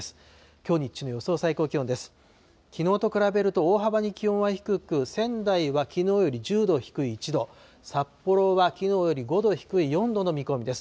きのうと比べると大幅に気温は低く、仙台はきのうより１０度低い１度、札幌はきのうより５度低い４度の見込みです。